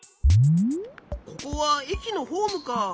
ここはえきのホームか。